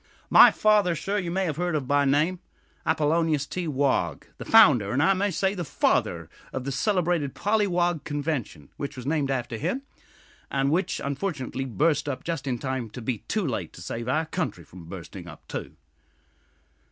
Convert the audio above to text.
My father, sir, you may have heard of by name Appollonius T. Wog, the founder, and, I may say, the father of the celebrated 'Pollywog Convention,' which was named after him, and which unfortunately burst up just in time to be too late to save our country from bursting up too."